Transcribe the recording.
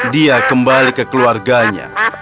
dia kembali ke keluarganya